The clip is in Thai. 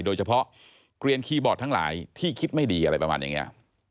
โดยเฉพาะเกลียนคีย์บอร์ดทั้งหลายที่คิดไม่ดีอะไรประมาณอย่างนี้